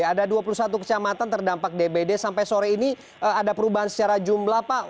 ada dua puluh satu kecamatan terdampak dbd sampai sore ini ada perubahan secara jumlah pak